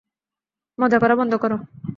মজা করা বন্ধ করো।